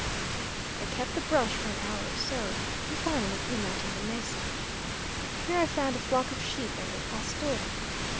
"I kept the brush for an hour or so, and finally came out on the mesa. Here I found a flock of sheep and a pastore.